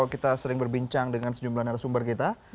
kita sudah bincang dengan sejumlah narasumber kita